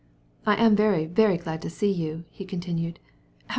"I am very, very glad to see you," he went on.